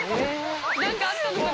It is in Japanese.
何かあったのかな？